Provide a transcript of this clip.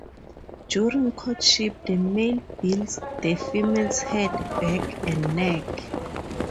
During courtship the male bills the female's head, back and neck.